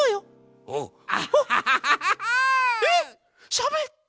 しゃべった！